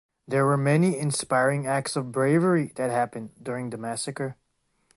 There were many inspiring acts of bravery that happened during the massacre.